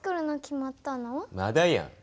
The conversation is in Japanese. まだやん。